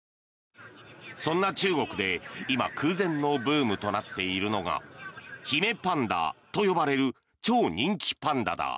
そんな中国で今空前のブームとなっているのが姫パンダと呼ばれる超人気パンダだ。